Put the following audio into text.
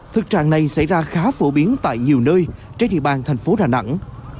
thực trạng này xảy ra khá phổ biến tại nhiều nơi trên địa bàn thành phố đà nẵng